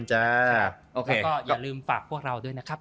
แล้วก็อย่าลืมฝากพวกเราด้วยนะครับ